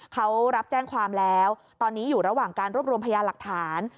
เขารับแจ้งความแล้วตอนนี้อยู่ระหว่างการรวบรวมพยานหลักฐาน